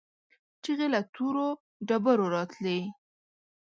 چيغې له تورو ډبرو راتلې.